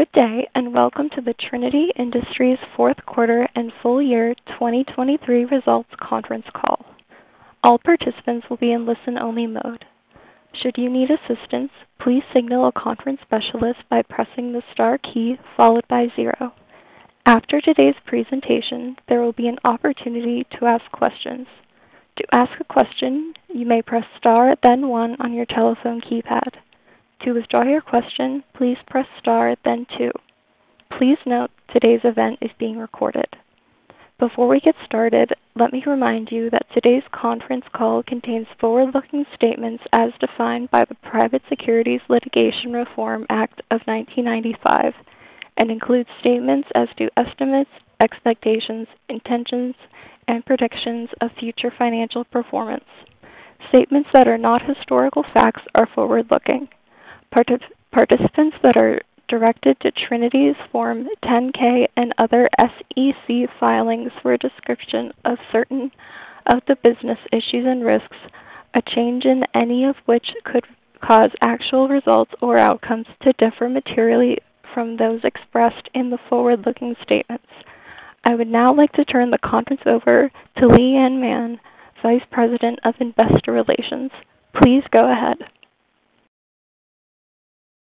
Good day, and welcome to the Trinity Industries Fourth Quarter and Full Year 2023 Results Conference Call. All participants will be in listen-only mode. Should you need assistance, please signal a conference specialist by pressing the star key followed by zero. After today's presentation, there will be an opportunity to ask questions. To ask a question, you may press star then one on your telephone keypad. To withdraw your question, please press star then two. Please note, today's event is being recorded. Before we get started, let me remind you that today's conference call contains forward-looking statements as defined by the Private Securities Litigation Reform Act of 1995, and includes statements as to estimates, expectations, intentions, and predictions of future financial performance. Statements that are not historical facts are forward-looking. Participants that are directed to Trinity's Form 10-K and other SEC filings for a description of certain of the business issues and risks, a change in any of which could cause actual results or outcomes to differ materially from those expressed in the forward-looking statements. I would now like to turn the conference over to Leigh Anne Mann, Vice President of Investor Relations. Please go ahead.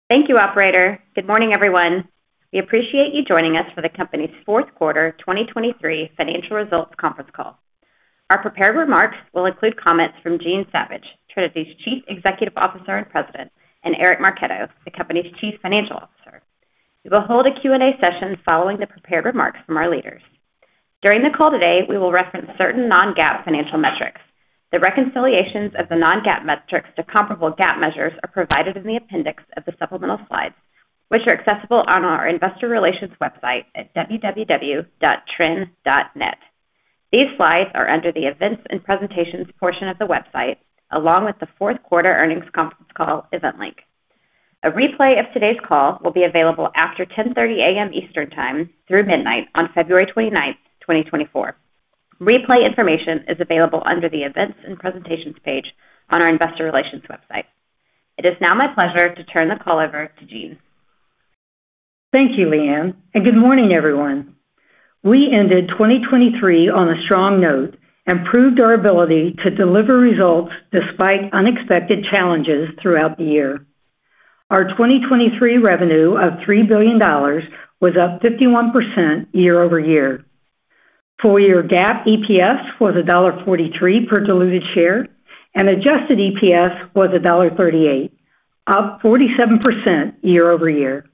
Thank you, operator. Good morning, everyone. We appreciate you joining us for the company's fourth quarter 2023 financial results conference call. Our prepared remarks will include comments from Jean Savage, Trinity's Chief Executive Officer and President, and Eric Marchetto, the company's Chief Financial Officer. We will hold a Q&A session following the prepared remarks from our leaders. During the call today, we will reference certain non-GAAP financial metrics. The reconciliations of the non-GAAP metrics to comparable GAAP measures are provided in the appendix of the supplemental slides, which are accessible on our investor relations website at www.trin.net. These slides are under the Events and Presentations portion of the website, along with the fourth quarter earnings conference call event link. A replay of today's call will be available after 10:30 A.M. Eastern Time through midnight on February 29, 2024. Replay information is available under the Events and Presentations page on our investor relations website. It is now my pleasure to turn the call over to Jean. Thank you, Leigh Anne, and good morning, everyone. We ended 2023 on a strong note and proved our ability to deliver results despite unexpected challenges throughout the year. Our 2023 revenue of $3 billion was up 51% year-over-year. Full year GAAP EPS was $1.43 per diluted share, and adjusted EPS was $1.38, up 47% year-over-year.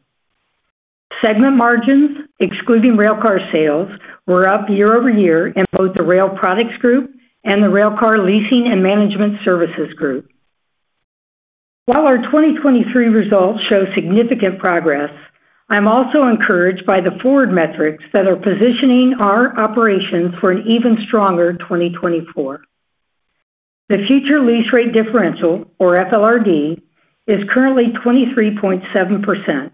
Segment margins, excluding railcar sales, were up year-over-year in both the Rail Products Group and the Railcar Leasing and Management Services Group. While our 2023 results show significant progress, I'm also encouraged by the forward metrics that are positioning our operations for an even stronger 2024. The future lease rate differential, or FLRD, is currently 23.7%,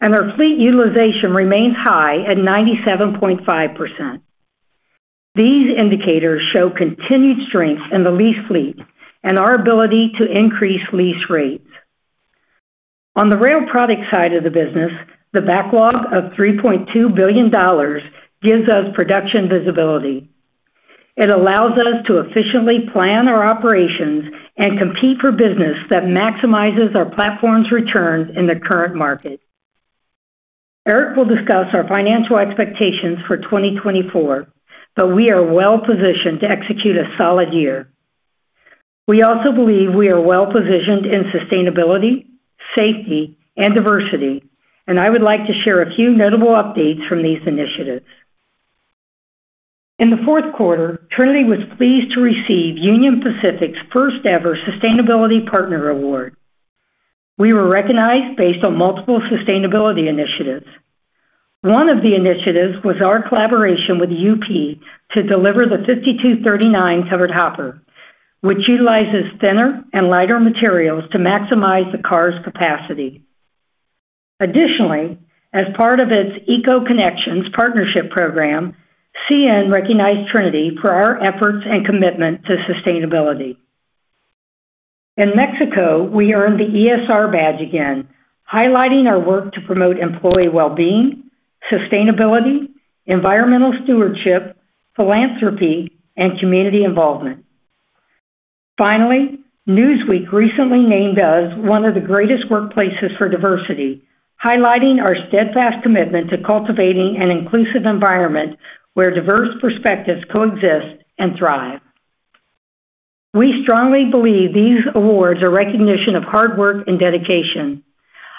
and our fleet utilization remains high at 97.5%. These indicators show continued strength in the lease fleet and our ability to increase lease rates. On the rail product side of the business, the backlog of $3.2 billion gives us production visibility. It allows us to efficiently plan our operations and compete for business that maximizes our platform's returns in the current market. Eric will discuss our financial expectations for 2024, but we are well-positioned to execute a solid year. We also believe we are well-positioned in sustainability, safety, and diversity, and I would like to share a few notable updates from these initiatives. In the fourth quarter, Trinity was pleased to receive Union Pacific's first-ever Sustainability Partner Award. We were recognized based on multiple sustainability initiatives. One of the initiatives was our collaboration with UP to deliver the 5239 Covered Hopper, which utilizes thinner and lighter materials to maximize the car's capacity. Additionally, as part of its EcoConnexions Partnership Program, CN recognized Trinity for our efforts and commitment to sustainability. In Mexico, we earned the ESR badge again, highlighting our work to promote employee well-being, sustainability, environmental stewardship, philanthropy, and community involvement. Finally, Newsweek recently named us one of the greatest workplaces for diversity, highlighting our steadfast commitment to cultivating an inclusive environment where diverse perspectives coexist and thrive. We strongly believe these awards are recognition of hard work and dedication.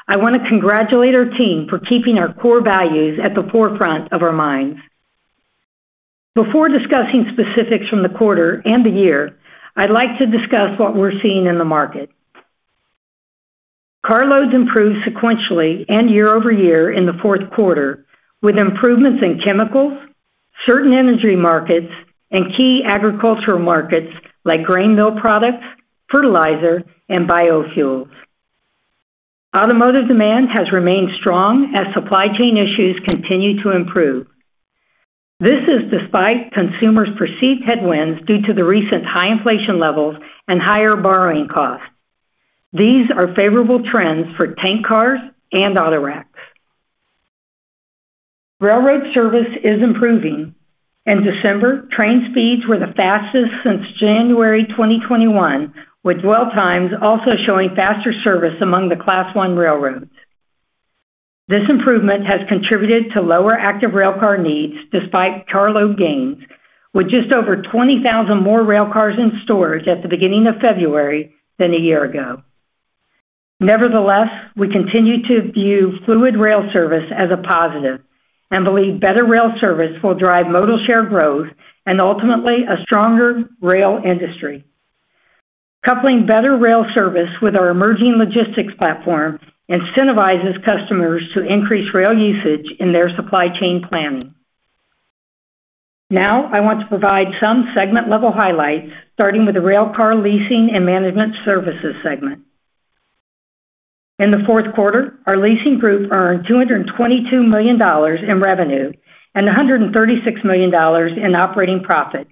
I want to congratulate our team for keeping our core values at the forefront of our minds. Before discussing specifics from the quarter and the year, I'd like to discuss what we're seeing in the market. Carloads improved sequentially and year-over-year in the fourth quarter, with improvements in chemicals, certain energy markets, and key agricultural markets like grain mill products, fertilizer, and biofuels. Automotive demand has remained strong as supply chain issues continue to improve. This is despite consumers' perceived headwinds due to the recent high inflation levels and higher borrowing costs. These are favorable trends for tank cars and autoracks. Railroad service is improving. In December, train speeds were the fastest since January 2021, with dwell times also showing faster service among the Class I railroads. This improvement has contributed to lower active railcar needs despite carload gains, with just over 20,000 more railcars in storage at the beginning of February than a year ago. Nevertheless, we continue to view fluid rail service as a positive, and believe better rail service will drive modal share growth and ultimately a stronger rail industry. Coupling better rail service with our emerging logistics platform incentivizes customers to increase rail usage in their supply chain planning. Now, I want to provide some segment-level highlights, starting with the Railcar Leasing and Management Services segment. In the fourth quarter, our leasing group earned $222 million in revenue and $136 million in operating profit.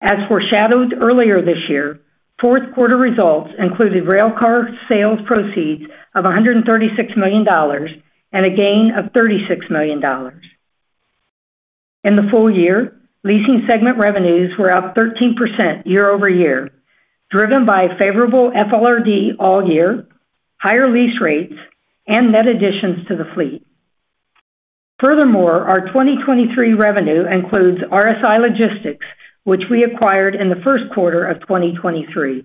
As foreshadowed earlier this year, fourth quarter results included railcar sales proceeds of $136 million and a gain of $36 million. In the full year, leasing segment revenues were up 13% year-over-year, driven by favorable FLRD all year, higher lease rates, and net additions to the fleet. Furthermore, our 2023 revenue includes RSI Logistics, which we acquired in the first quarter of 2023.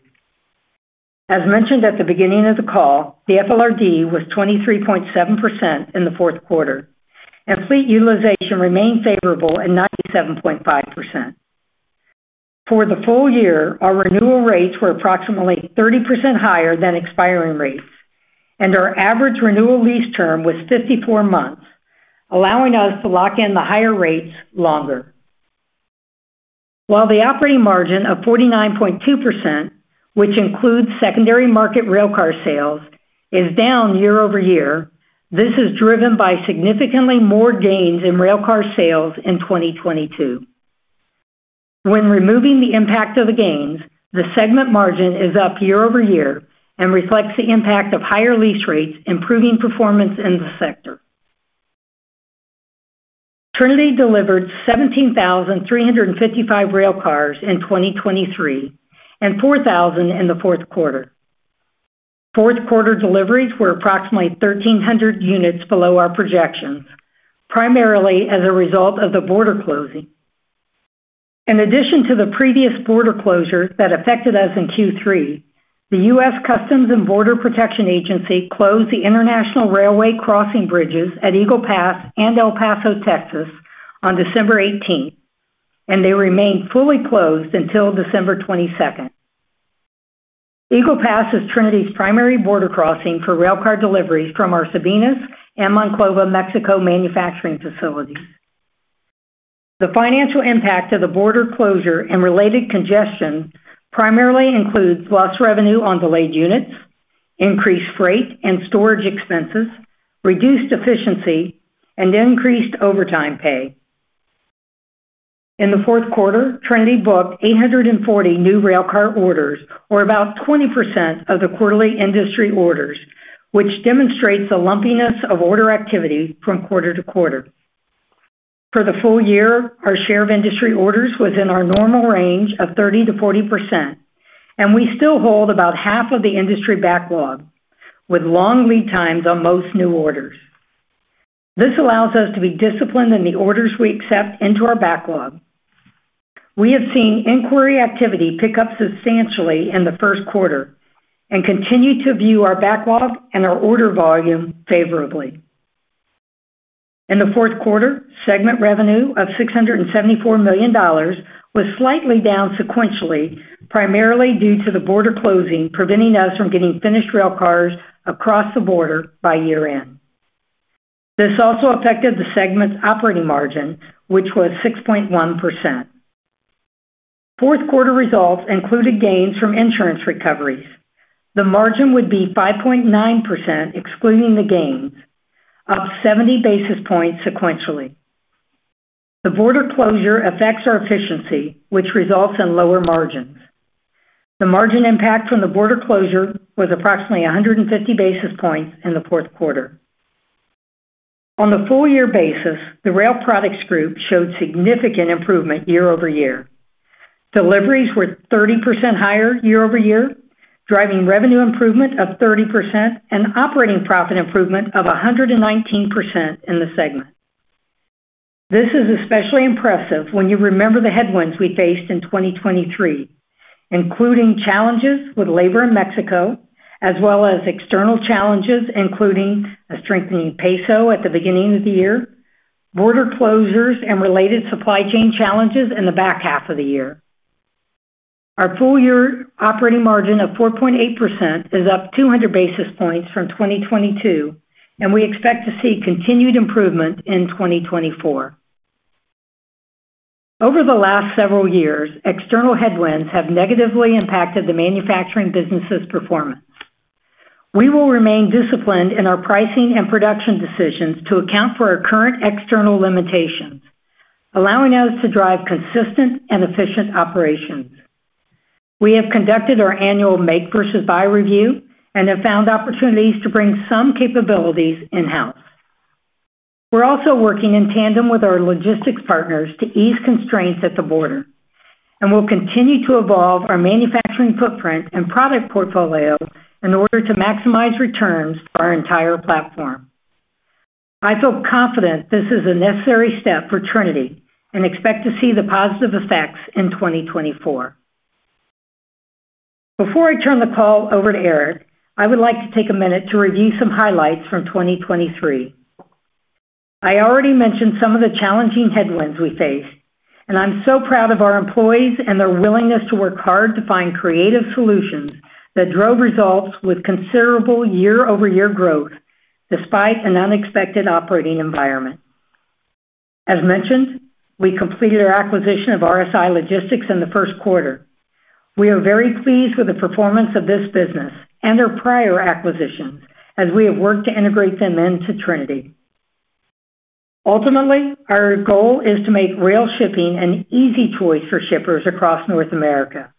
As mentioned at the beginning of the call, the FLRD was 23.7% in the fourth quarter, and fleet utilization remained favorable at 97.5%. For the full year, our renewal rates were approximately 30% higher than expiring rates, and our average renewal lease term was 54 months, allowing us to lock in the higher rates longer. While the operating margin of 49.2%, which includes secondary market railcar sales, is down year-over-year, this is driven by significantly more gains in railcar sales in 2022. When removing the impact of the gains, the segment margin is up year-over-year and reflects the impact of higher lease rates, improving performance in the sector. Trinity delivered 17,355 railcars in 2023 and 4,000 in the fourth quarter. Fourth quarter deliveries were approximately 1,300 units below our projections, primarily as a result of the border closing. In addition to the previous border closure that affected us in Q3, the US Customs and Border Protection Agency closed the International Railway crossing bridges at Eagle Pass and El Paso, Texas, on December 18th, and they remained fully closed until December 22nd. Eagle Pass is Trinity's primary border crossing for railcar deliveries from our Sabinas and Monclova, Mexico, manufacturing facilities. The financial impact of the border closure and related congestion primarily includes lost revenue on delayed units, increased freight and storage expenses, reduced efficiency, and increased overtime pay. In the fourth quarter, Trinity booked 840 new railcar orders, or about 20% of the quarterly industry orders, which demonstrates the lumpiness of order activity from quarter-to-quarter. For the full year, our share of industry orders was in our normal range of 30%-40%, and we still hold about half of the industry backlog, with long lead times on most new orders. This allows us to be disciplined in the orders we accept into our backlog. We have seen inquiry activity pick up substantially in the first quarter and continue to view our backlog and our order volume favorably. In the fourth quarter, segment revenue of $674 million was slightly down sequentially, primarily due to the border closing, preventing us from getting finished railcars across the border by year-end. This also affected the segment's operating margin, which was 6.1%. Fourth quarter results included gains from insurance recoveries. The margin would be 5.9%, excluding the gains, up 70 basis points sequentially. The border closure affects our efficiency, which results in lower margins. The margin impact from the border closure was approximately 150 basis points in the fourth quarter. On a full year basis, the Rail Products Group showed significant improvement year-over-year. Deliveries were 30% higher year-over-year, driving revenue improvement of 30% and operating profit improvement of 119% in the segment. This is especially impressive when you remember the headwinds we faced in 2023, including challenges with labor in Mexico, as well as external challenges, including a strengthening peso at the beginning of the year, border closures, and related supply chain challenges in the back half of the year. Our full year operating margin of 4.8% is up 200 basis points from 2022, and we expect to see continued improvement in 2024. Over the last several years, external headwinds have negatively impacted the manufacturing business's performance. We will remain disciplined in our pricing and production decisions to account for our current external limitations, allowing us to drive consistent and efficient operations. We have conducted our annual make versus buy review and have found opportunities to bring some capabilities in-house. We're also working in tandem with our logistics partners to ease constraints at the border, and we'll continue to evolve our manufacturing footprint and product portfolio in order to maximize returns for our entire platform. I feel confident this is a necessary step for Trinity and expect to see the positive effects in 2024. Before I turn the call over to Eric, I would like to take a minute to review some highlights from 2023. I already mentioned some of the challenging headwinds we faced, and I'm so proud of our employees and their willingness to work hard to find creative solutions that drove results with considerable year-over-year growth despite an unexpected operating environment. As mentioned, we completed our acquisition of RSI Logistics in the first quarter. We are very pleased with the performance of this business and our prior acquisitions as we have worked to integrate them into Trinity. Ultimately, our goal is to make rail shipping an easy choice for shippers across North America.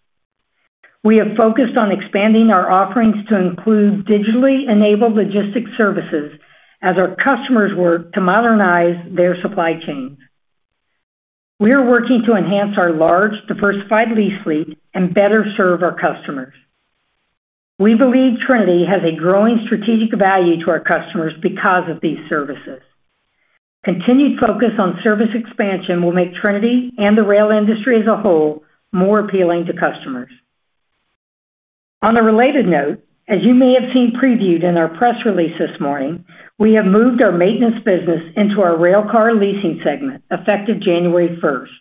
We have focused on expanding our offerings to include digitally enabled logistics services as our customers work to modernize their supply chains. We are working to enhance our large, diversified lease fleet and better serve our customers. We believe Trinity has a growing strategic value to our customers because of these services. Continued focus on service expansion will make Trinity and the rail industry as a whole more appealing to customers. On a related note, as you may have seen previewed in our press release this morning, we have moved our maintenance business into our railcar leasing segment, effective January first.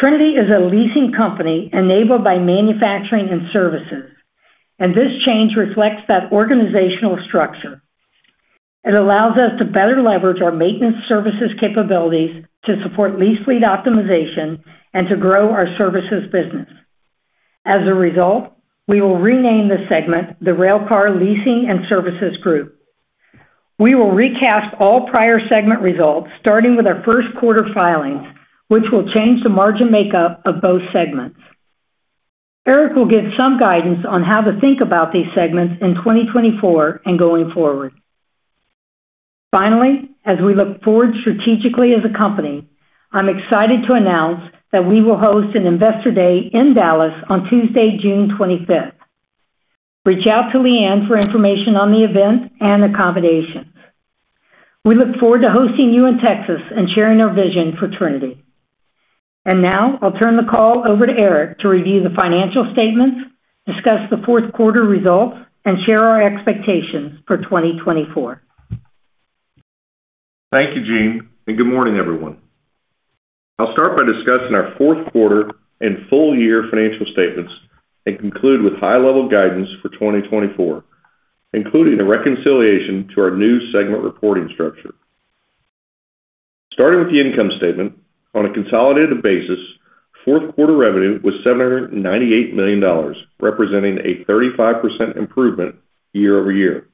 Trinity is a leasing company enabled by manufacturing and services, and this change reflects that organizational structure. It allows us to better leverage our maintenance services capabilities to support lease fleet optimization and to grow our services business. As a result, we will rename this segment the Railcar Leasing and Services Group. We will recast all prior segment results, starting with our first quarter filings, which will change the margin makeup of both segments. Eric will give some guidance on how to think about these segments in 2024 and going forward. Finally, as we look forward strategically as a company, I'm excited to announce that we will host an Investor Day in Dallas on Tuesday, June 25. Reach out to Leigh Anne for information on the event and accommodations. We look forward to hosting you in Texas and sharing our vision for Trinity. Now I'll turn the call over to Eric to review the financial statements, discuss the fourth quarter results, and share our expectations for 2024. Thank you, Jean, and good morning, everyone. I'll start by discussing our fourth quarter and full year financial statements and conclude with high-level guidance for 2024, including a reconciliation to our new segment reporting structure. Starting with the income statement, on a consolidated basis, fourth quarter revenue was $798 million, representing a 35% improvement year-over-year.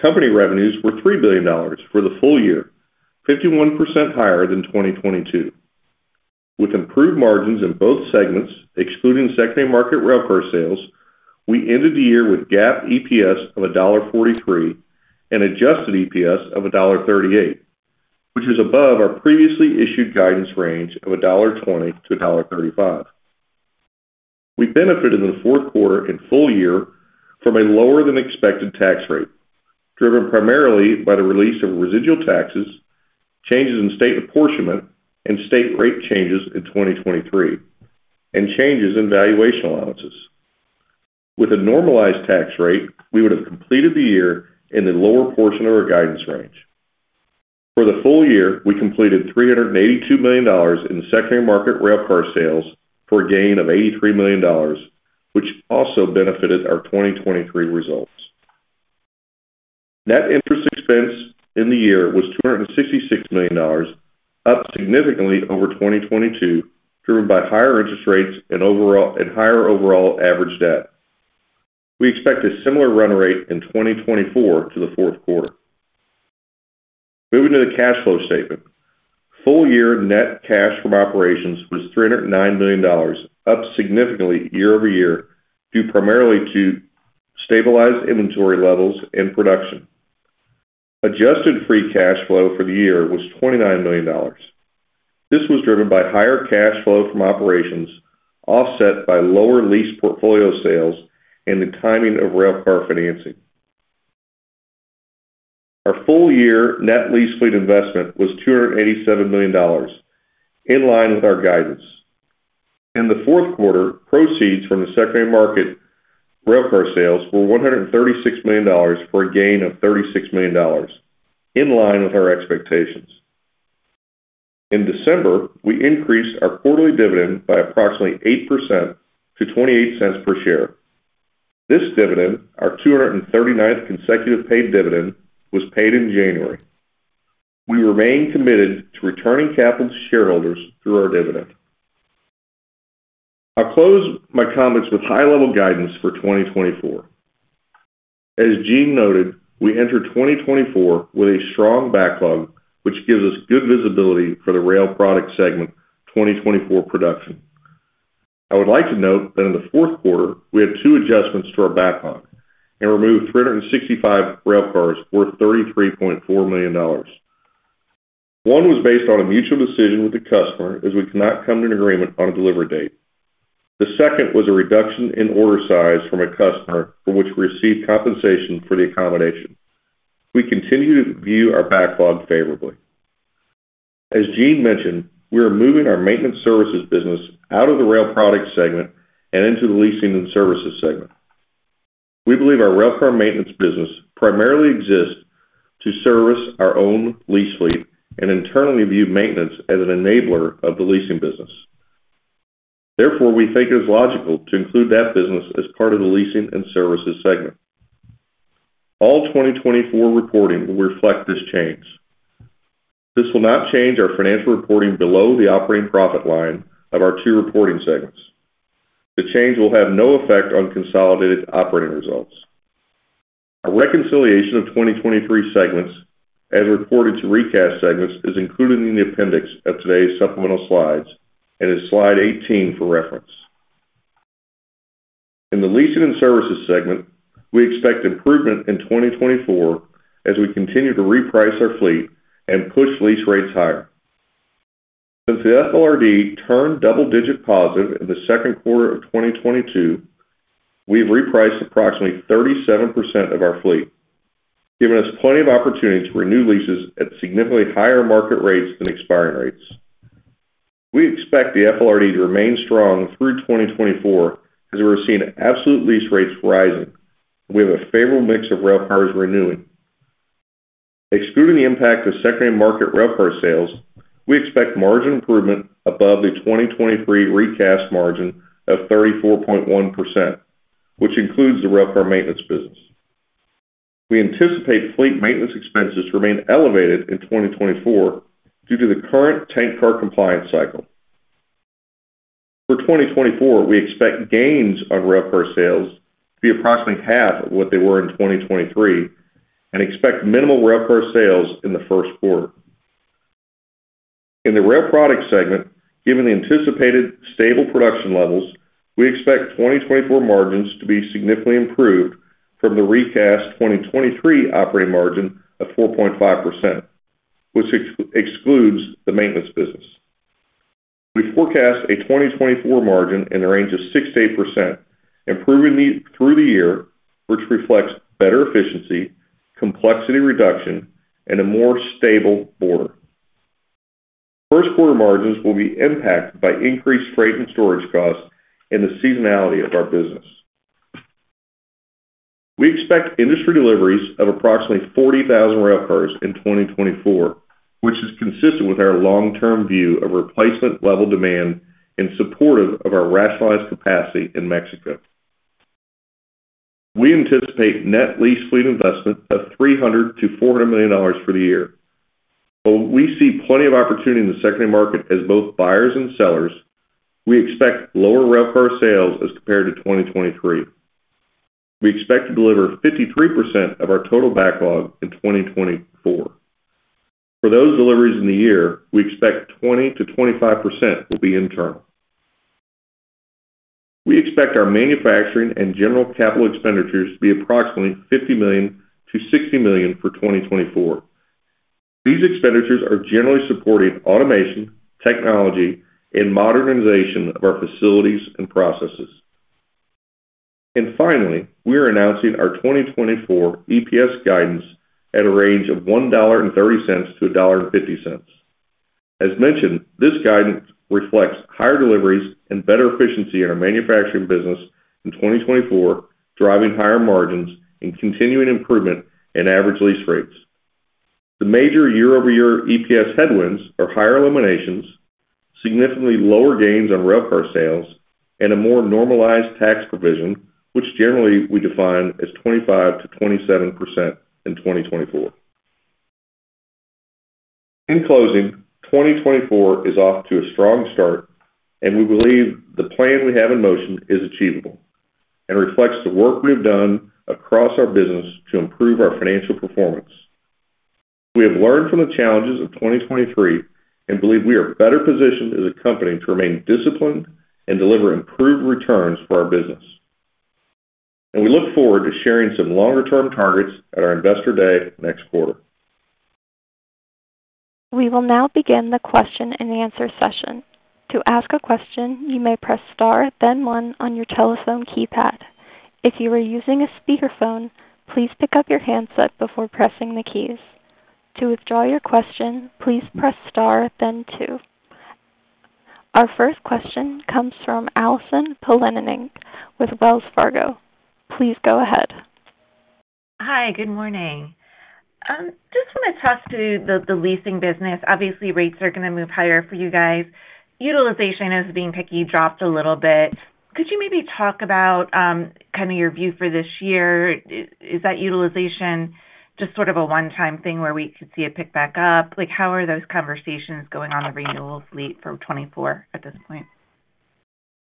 Company revenues were $3 billion for the full year, 51% higher than 2022. With improved margins in both segments, excluding secondary market railcar sales, we ended the year with GAAP EPS of $1.43 and adjusted EPS of $1.38, which is above our previously issued guidance range of $1.20-$1.35. We benefited in the fourth quarter and full year from a lower-than-expected tax rate, driven primarily by the release of residual taxes, changes in state apportionment and state rate changes in 2023, and changes in valuation allowances. With a normalized tax rate, we would have completed the year in the lower portion of our guidance range. For the full year, we completed $382 million in secondary market railcar sales, for a gain of $83 million, which also benefited our 2023 results. Net interest expense in the year was $266 million, up significantly over 2022, driven by higher interest rates and higher overall average debt. We expect a similar run rate in 2024 to the fourth quarter. Moving to the cash flow statement. Full year net cash from operations was $309 million, up significantly year-over-year, due primarily to stabilized inventory levels and production. Adjusted free cash flow for the year was $29 million. This was driven by higher cash flow from operations, offset by lower lease portfolio sales and the timing of railcar financing. Our full year net lease fleet investment was $287 million, in line with our guidance. In the fourth quarter, proceeds from the secondary market railcar sales were $136 million, for a gain of $36 million, in line with our expectations. In December, we increased our quarterly dividend by approximately 8% to $0.28 per share. This dividend, our 239th consecutive paid dividend, was paid in January. We remain committed to returning capital to shareholders through our dividend.... I'll close my comments with high-level guidance for 2024. As Jean noted, we entered 2024 with a strong backlog, which gives us good visibility for the rail product segment, 2024 production. I would like to note that in the fourth quarter, we had two adjustments to our backlog and removed 365 railcars worth $33.4 million. One was based on a mutual decision with the customer, as we could not come to an agreement on a delivery date. The second was a reduction in order size from a customer for which we received compensation for the accommodation. We continue to view our backlog favorably. As Jean mentioned, we are moving our maintenance services business out of the rail product segment and into the leasing and services segment. We believe our railcar maintenance business primarily exists to service our own lease fleet and internally view maintenance as an enabler of the leasing business. Therefore, we think it is logical to include that business as part of the leasing and services segment. All 2024 reporting will reflect this change. This will not change our financial reporting below the operating profit line of our two reporting segments. The change will have no effect on consolidated operating results. A reconciliation of 2023 segments as reported to recast segments is included in the appendix of today's supplemental slides and is Slide 18 for reference. In the leasing and services segment, we expect improvement in 2024 as we continue to reprice our fleet and push lease rates higher. Since the FLRD turned double digit positive in the second quarter of 2022, we've repriced approximately 37% of our fleet, giving us plenty of opportunity to renew leases at significantly higher market rates than expiring rates. We expect the FLRD to remain strong through 2024, as we're seeing absolute lease rates rising. We have a favorable mix of railcars renewing. Excluding the impact of secondary market railcar sales, we expect margin improvement above the 2023 recast margin of 34.1%, which includes the railcar maintenance business. We anticipate fleet maintenance expenses to remain elevated in 2024 due to the current tank car compliance cycle. For 2024, we expect gains on railcar sales to be approximately half of what they were in 2023 and expect minimal railcar sales in the first quarter. In the rail product segment, given the anticipated stable production levels, we expect 2024 margins to be significantly improved from the recast 2023 operating margin of 4.5%, which excludes the maintenance business. We forecast a 2024 margin in the range of 6%-8%, improving through the year, which reflects better efficiency, complexity reduction, and a more stable order. First quarter margins will be impacted by increased freight and storage costs and the seasonality of our business. We expect industry deliveries of approximately 40,000 railcars in 2024, which is consistent with our long-term view of replacement level demand and supportive of our rationalized capacity in Mexico. We anticipate net lease fleet investment of $300 million-$400 million for the year. We see plenty of opportunity in the secondary market as both buyers and sellers. We expect lower railcar sales as compared to 2023. We expect to deliver 53% of our total backlog in 2024. For those deliveries in the year, we expect 20%-25% will be internal. We expect our manufacturing and general capital expenditures to be approximately $50 million-$60 million for 2024. These expenditures are generally supporting automation, technology, and modernization of our facilities and processes. Finally, we are announcing our 2024 EPS guidance at a range of $1.30-$1.50. As mentioned, this guidance reflects higher deliveries and better efficiency in our manufacturing business in 2024, driving higher margins and continuing improvement in average lease rates. The major year-over-year EPS headwinds are higher eliminations, significantly lower gains on railcar sales, and a more normalized tax provision, which generally we define as 25%-27% in 2024. In closing, 2024 is off to a strong start, and we believe the plan we have in motion is achievable and reflects the work we have done across our business to improve our financial performance. We have learned from the challenges of 2023 and believe we are better positioned as a company to remain disciplined and deliver improved returns for our business. We look forward to sharing some longer-term targets at our Investor Day next quarter. We will now begin the question-and-answer session. To ask a question, you may press star, then one on your telephone keypad. If you are using a speakerphone, please pick up your handset before pressing the keys. To withdraw your question, please press star, then two. Our first question comes from Allison Poliniak with Wells Fargo. Please go ahead. Hi, good morning. Just want to talk to the leasing business. Obviously, rates are going to move higher for you guys. Utilization has been picky, dropped a little bit. Could you talk about kind of your view for this year? Is that utilization just sort of a one-time thing where we could see it pick back up? Like, how are those conversations going on the renewal fleet for 2024 at this point?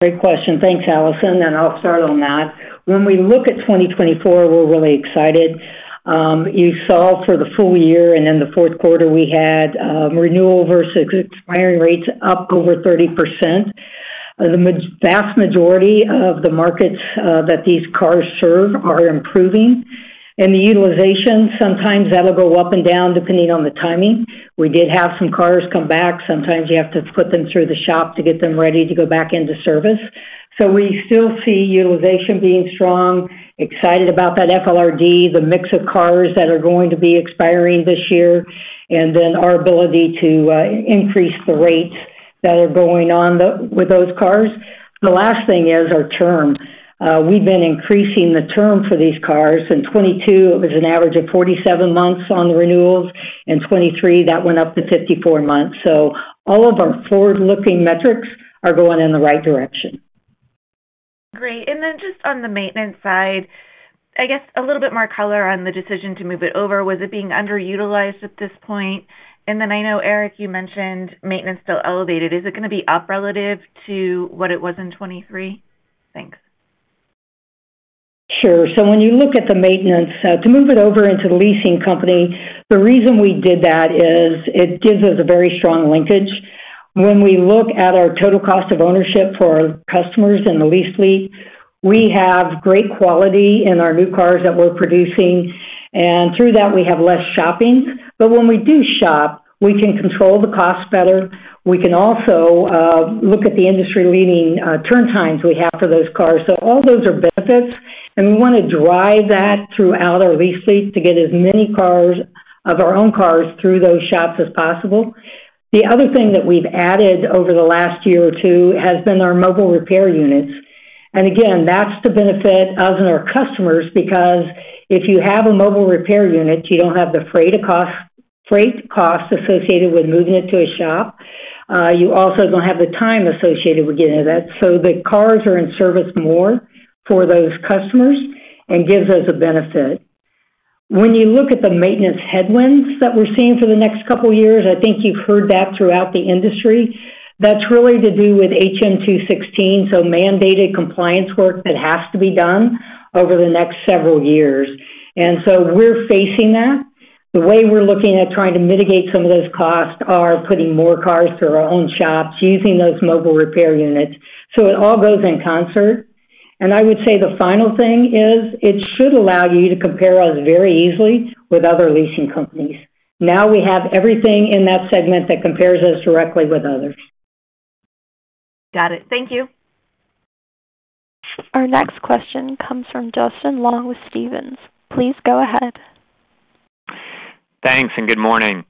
Great question. Thanks, Allison, and I'll start on that. When we look at 2024, we're really excited. You saw for the full year and in the fourth quarter, we had renewal versus expiring rates up over 30%. The vast majority of the markets that these cars serve are improving, and the utilization, sometimes that'll go up and down, depending on the timing. We did have some cars come back. Sometimes you have to put them through the shop to get them ready to go back into service. So we still see utilization being strong, excited about that FLRD, the mix of cars that are going to be expiring this year, and then our ability to increase the rates that are going on with those cars. The last thing is our term. We've been increasing the term for these cars. In 2022, it was an average of 47 months on renewals, in 2023, that went up to 54 months. So all of our forward-looking metrics are going in the right direction. Great. And then just on the maintenance side, I guess a little bit more color on the decision to move it over. Was it being underutilized at this point? And then I know, Eric, you mentioned maintenance still elevated. Is it gonna be up relative to what it was in 2023? Thanks. Sure. So when you look at the maintenance, to move it over into the leasing company, the reason we did that is it gives us a very strong linkage. When we look at our total cost of ownership for our customers in the lease fleet, we have great quality in our new cars that we're producing, and through that, we have less shopping. But when we do shop, we can control the cost better. We can also look at the industry-leading turn times we have for those cars. So all those are benefits, and we wanna drive that throughout our lease fleet to get as many cars, of our own cars through those shops as possible. The other thing that we've added over the last year or two has been our mobile repair units. And again, that's the benefit of us and our customers, because if you have a mobile repair unit, you don't have the freight of cost- freight cost associated with moving it to a shop. You also don't have the time associated with getting to that. So the cars are in service more for those customers and gives us a benefit. When you look at the maintenance headwinds that we're seeing for the next couple of years, I think you've heard that throughout the industry, that's really to do with HM-216, so mandated compliance work that has to be done over the next several years. And so we're facing that. The way we're looking at trying to mitigate some of those costs are putting more cars through our own shops, using those mobile repair units, so it all goes in concert. I would say the final thing is, it should allow you to compare us very easily with other leasing companies. Now we have everything in that segment that compares us directly with others. Got it. Thank you. Our next question comes from Justin Long with Stephens. Please go ahead. Thanks, and good morning.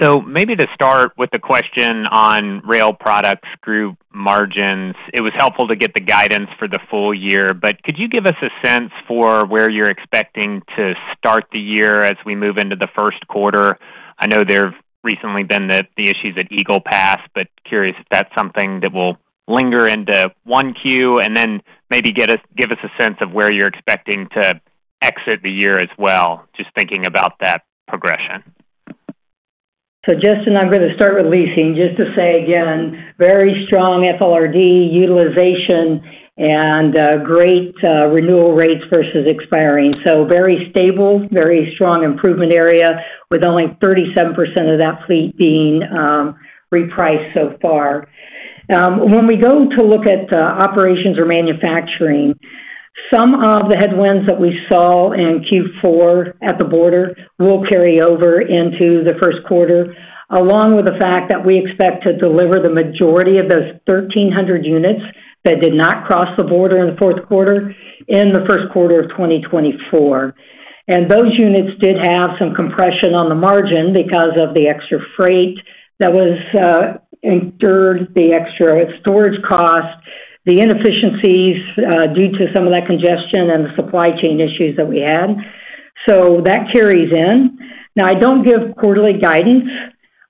So maybe to start with a question on Rail Products Group margins. It was helpful to get the guidance for the full year, but could you give us a sense for where you're expecting to start the year as we move into the first quarter? I know there have recently been the issues at Eagle Pass, but curious if that's something that will linger into 1Q, and then maybe give us a sense of where you're expecting to exit the year as well, just thinking about that progression. So, Justin, I'm gonna start with leasing, just to say again, very strong FLRD utilization and, great, renewal rates versus expiring. So very stable, very strong improvement area, with only 37% of that fleet being, repriced so far. When we go to look at, operations or manufacturing, some of the headwinds that we saw in Q4 at the border will carry over into the first quarter, along with the fact that we expect to deliver the majority of those 1,300 units that did not cross the border in the fourth quarter, in the first quarter of 2024. And those units did have some compression on the margin because of the extra freight that was, incurred, the extra storage costs, the inefficiencies, due to some of that congestion and the supply chain issues that we had. So that carries in. Now, I don't give quarterly guidance,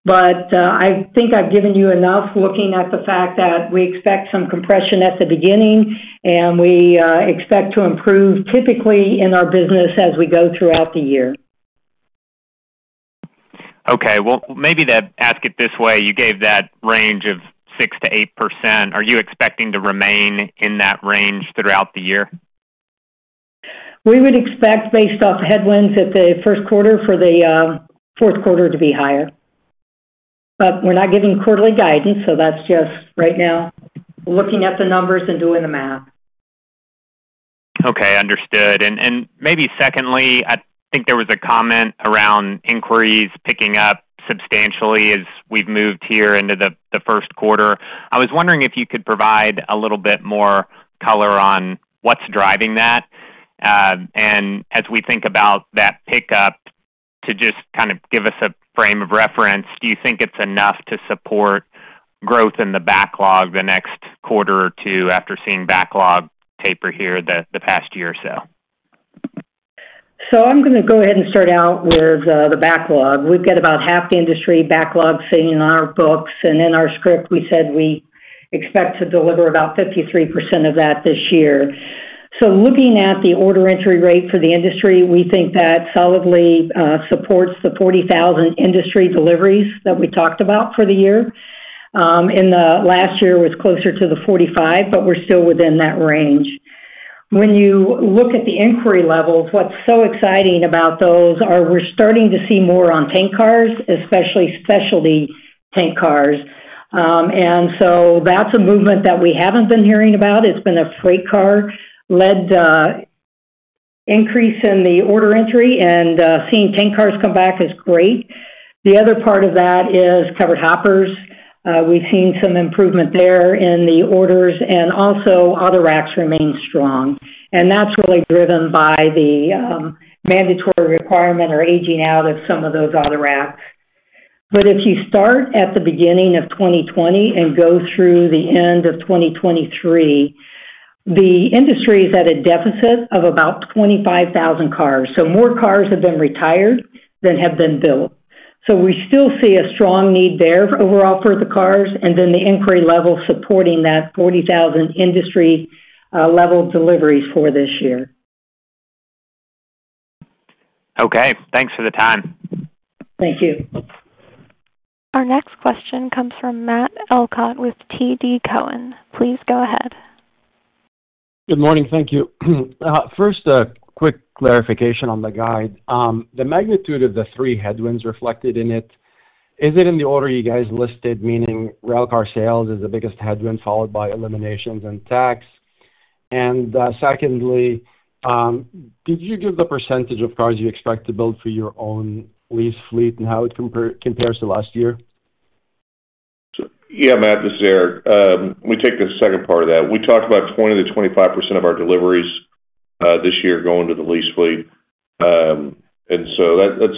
but, I think I've given you enough, looking at the fact that we expect some compression at the beginning, and we expect to improve typically in our business as we go throughout the year. Okay, well, maybe to ask it this way, you gave that range of 6%-8%. Are you expecting to remain in that range throughout the year? We would expect, based off the headwinds at the first quarter, for the fourth quarter to be higher. But we're not giving quarterly guidance, so that's just right now, looking at the numbers and doing the math. Okay, understood. And maybe secondly, I think there was a comment around inquiries picking up substantially as we've moved here into the first quarter. I was wondering if you could provide a little bit more color on what's driving that. And as we think about that pickup, to just kind of give us a frame of reference, do you think it's enough to support growth in the backlog the next quarter or two after seeing backlog taper here the past year or so? So I'm gonna go ahead and start out with the backlog. We've got about half the industry backlog sitting in our books, and in our script, we said we expect to deliver about 53% of that this year. So looking at the order entry rate for the industry, we think that solidly supports the 40,000 industry deliveries that we talked about for the year. In the last year, it was closer to the 45, but we're still within that range. When you look at the inquiry levels, what's so exciting about those are we're starting to see more on tank cars, especially specialty tank cars. And so that's a movement that we haven't been hearing about. It's been a freight car-led increase in the order entry, and seeing tank cars come back is great. The other part of that is covered hoppers. We've seen some improvement there in the orders, and also autoracks remain strong, and that's really driven by the mandatory requirement or aging out of some of those autoracks. But if you start at the beginning of 2020 and go through the end of 2023, the industry is at a deficit of about 25,000 cars. So more cars have been retired than have been built. So we still see a strong need there overall for the cars, and then the inquiry level supporting that 40,000 industry level deliveries for this year. Okay, thanks for the time. Thank you. Our next question comes from Matt Elkott with TD Cowen. Please go ahead. Good morning. Thank you. First, a quick clarification on the guide. The magnitude of the three headwinds reflected in it, is it in the order you guys listed, meaning railcar sales is the biggest headwind, followed by eliminations and tax? Secondly, did you give the percentage of cars you expect to build for your own lease fleet and how it compares to last year? So, yeah, Matt, this is Eric. Let me take the second part of that. We talked about 20%-25% of our deliveries this year going to the lease fleet. And so that's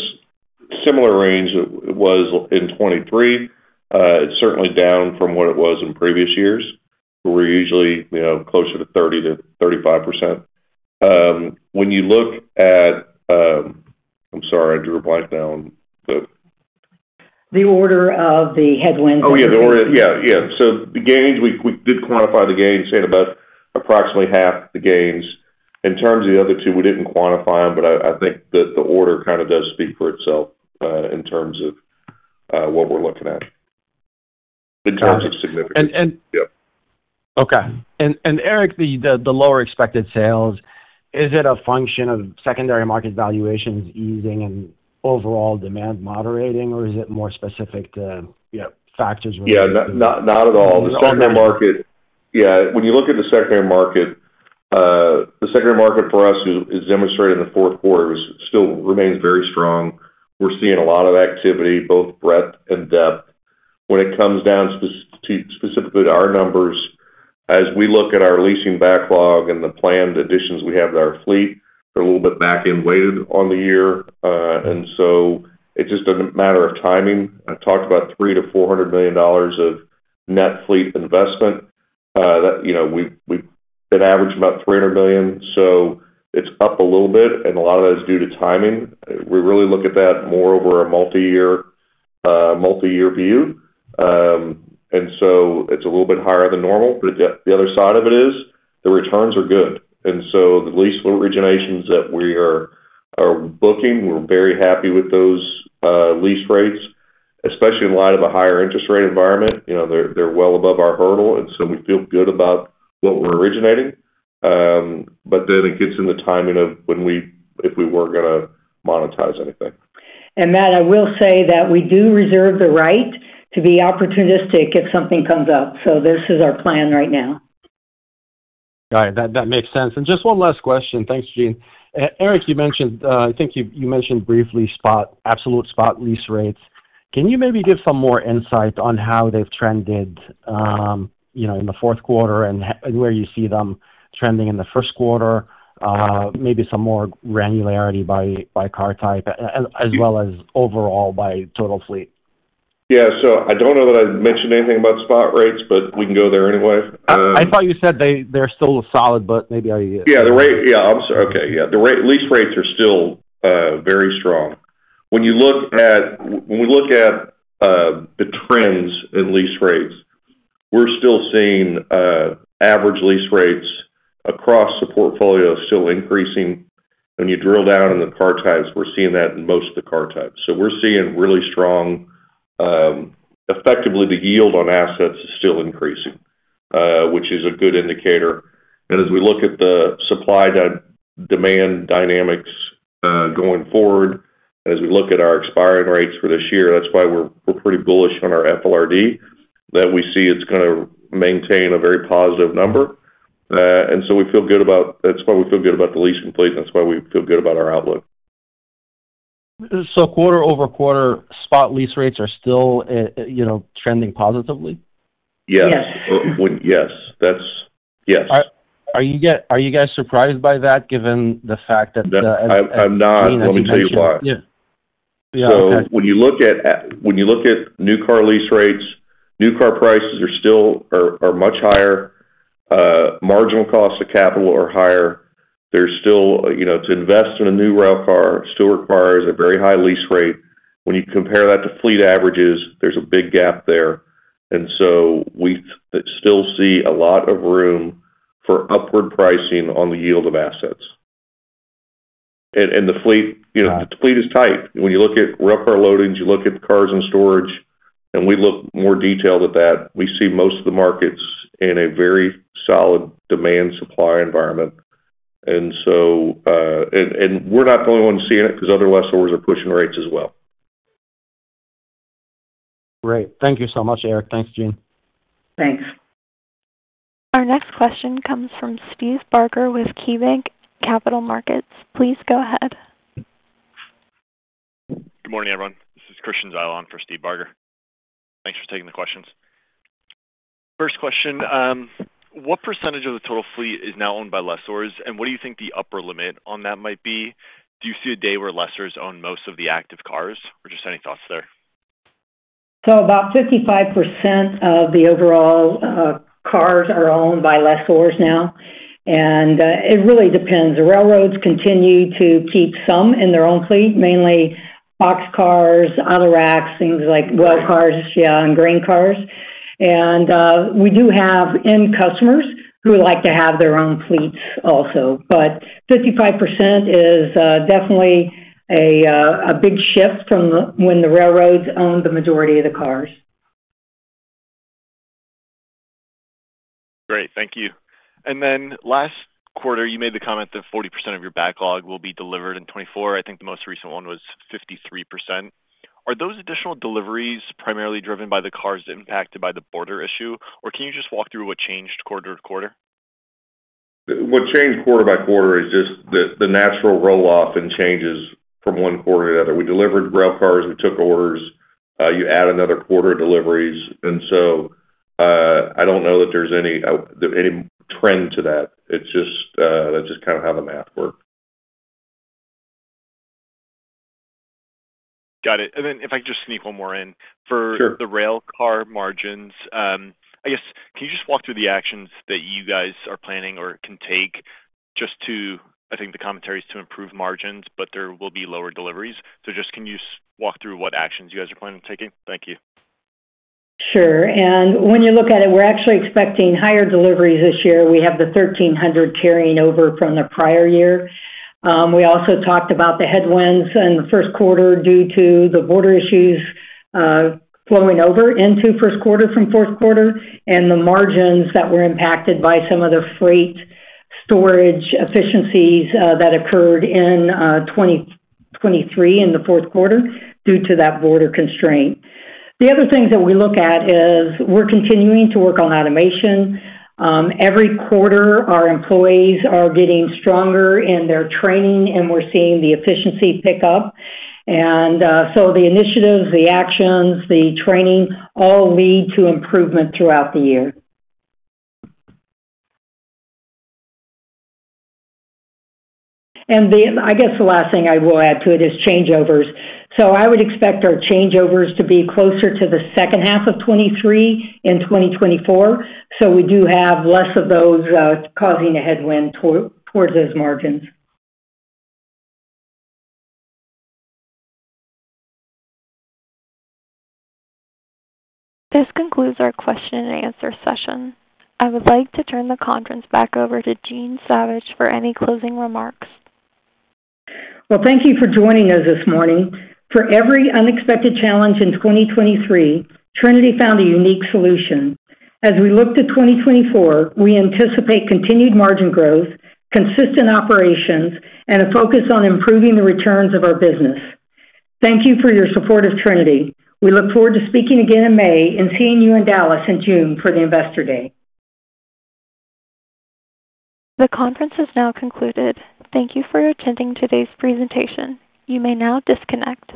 similar range it was in 2023. It's certainly down from what it was in previous years, where we're usually, you know, closer to 30%-35%. When you look at... I'm sorry, I drew a blank now on the- The order of the headwinds. Oh, yeah, the order. Yeah, yeah. So the gains, we, we did quantify the gains at about approximately half the gains. In terms of the other two, we didn't quantify them, but I, I think that the order kind of does speak for itself, in terms of what we're looking at, in terms of significance. And, and- Yep. Okay. And Eric, the lower expected sales, is it a function of secondary market valuations easing and overall demand moderating, or is it more specific to, you know, factors related to- Yeah, not, not at all. Okay. The secondary market. Yeah, when you look at the secondary market, the secondary market for us is, as demonstrated in the fourth quarter, still remains very strong. We're seeing a lot of activity, both breadth and depth. When it comes down to specifically to our numbers, as we look at our leasing backlog and the planned additions we have to our fleet, they're a little bit back-end loaded on the year. And so it's just a matter of timing. I talked about $300 million-$400 million of net fleet investment. That, you know, we've been averaging about $300 million, so it's up a little bit, and a lot of that is due to timing. We really look at that more over a multi-year, multi-year view. And so it's a little bit higher than normal, but the other side of it is, the returns are good. And so the lease originations that we are booking, we're very happy with those lease rates, especially in light of a higher interest rate environment. You know, they're well above our hurdle, and so we feel good about what we're originating. But then it gets in the timing of when we—if we were gonna monetize anything. Matt, I will say that we do reserve the right to be opportunistic if something comes up, so this is our plan right now. Got it. That makes sense. And just one last question. Thanks, Jean. Eric, you mentioned, I think you mentioned briefly spot absolute spot lease rates. Can you maybe give some more insight on how they've trended, you know, in the fourth quarter and where you see them trending in the first quarter? Maybe some more granularity by car type, as well as overall by total fleet. Yeah. So I don't know that I mentioned anything about spot rates, but we can go there anyway. I thought you said they, they're still solid, but maybe I- Yeah, lease rates are still very strong. When we look at the trends in lease rates, we're still seeing average lease rates across the portfolio still increasing. When you drill down in the car types, we're seeing that in most of the car types. So we're seeing really strong. Effectively, the yield on assets is still increasing, which is a good indicator. And as we look at the supply-demand dynamics going forward, as we look at our expiring rates for this year, that's why we're pretty bullish on our FLRD, that we see it's gonna maintain a very positive number. And so we feel good about. That's why we feel good about the leasing fleet, and that's why we feel good about our outlook. Quarter over quarter, spot lease rates are still, you know, trending positively? Yes. Yes. Yes, that's yes. Are you guys surprised by that, given the fact that the? I'm not. Let me tell you why. Yeah. So when you look at new car lease rates, new car prices are still much higher, marginal costs of capital are higher. There's still, you know, to invest in a new railcar still requires a very high lease rate. When you compare that to fleet averages, there's a big gap there, and so we still see a lot of room for upward pricing on the yield of assets. And the fleet, you know, the fleet is tight. When you look at railcar loadings, you look at cars in storage, and we look more detailed at that, we see most of the markets in a very solid demand-supply environment. And so, and we're not the only ones seeing it, because other lessors are pushing rates as well. Great. Thank you so much, Eric. Thanks, Jean. Thanks. Our next question comes from Steve Barger with KeyBanc Capital Markets. Please go ahead. Good morning, everyone. This is Christian Zyla for Steve Barger. Thanks for taking the questions. First question, what percentage of the total fleet is now owned by lessors, and what do you think the upper limit on that might be? Do you see a day where lessors own most of the active cars, or just any thoughts there? So about 55% of the overall, cars are owned by lessors now, and, it really depends. The railroads continue to keep some in their own fleet, mainly boxcars, autoracks, things like well cars, yeah, and grain cars. And, we do have end customers who like to have their own fleets also. But 55% is, definitely a, a big shift from when the railroads owned the majority of the cars. Great. Thank you. And then last quarter, you made the comment that 40% of your backlog will be delivered in 2024. I think the most recent one was 53%. Are those additional deliveries primarily driven by the cars impacted by the border issue? Or can you just walk through what changed quarter to quarter? What changed quarter by quarter is just the natural roll-off and changes from one quarter to another. We delivered railcars, we took orders, you add another quarter of deliveries, and so, I don't know that there's any trend to that. It's just, that's just kind of how the math works. Got it. And then if I could just sneak one more in. Sure. For the railcar margins, I guess, can you just walk through the actions that you guys are planning or can take just to... I think the commentary is to improve margins, but there will be lower deliveries. So just, can you walk through what actions you guys are planning on taking? Thank you. Sure. And when you look at it, we're actually expecting higher deliveries this year. We have the 1,300 carrying over from the prior year. We also talked about the headwinds in the first quarter due to the border issues, flowing over into first quarter from fourth quarter, and the margins that were impacted by some of the freight storage efficiencies, that occurred in 2023, in the fourth quarter, due to that border constraint. The other things that we look at is we're continuing to work on automation. Every quarter, our employees are getting stronger in their training, and we're seeing the efficiency pick up. And so the initiatives, the actions, the training, all lead to improvement throughout the year. And the, I guess, the last thing I will add to it is changeovers. So I would expect our changeovers to be closer to the second half of 2023 and 2024, so we do have less of those causing a headwind towards those margins. This concludes our question-and-answer session. I would like to turn the conference back over to Jean Savage for any closing remarks. Well, thank you for joining us this morning. For every unexpected challenge in 2023, Trinity found a unique solution. As we look to 2024, we anticipate continued margin growth, consistent operations, and a focus on improving the returns of our business. Thank you for your support of Trinity. We look forward to speaking again in May and seeing you in Dallas in June for the Investor Day. The conference has now concluded. Thank you for attending today's presentation. You may now disconnect.